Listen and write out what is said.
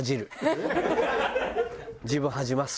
自分を恥じます。